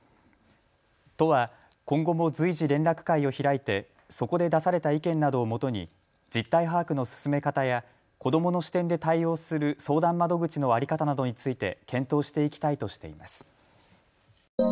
都は今後も随時、連絡会を開いてそこで出された意見などをもとに実態把握の進め方や子どもの視点で対応する相談窓口の在り方などについて検討していきたいとしています。